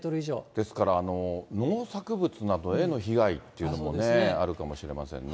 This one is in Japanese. ですから、農作物などへの被害っていうのもね、あるかもしれませんね。